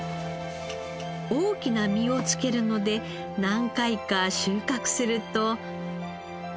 大きな実をつけるので何回か収穫すると。